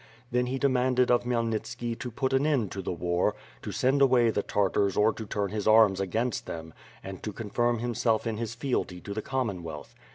Then he demanded of Khmyelnitski to put an end to the war, to send away the Tartars or to turn his arms against them, and to confirm him self in his fealty to the Commonwealth.